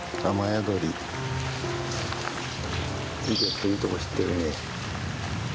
ウゲットいいとこ知ってるね。